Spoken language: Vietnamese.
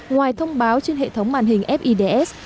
ngoài thông báo trên hệ thống màn hình fids